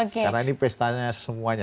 karena ini pestanya semuanya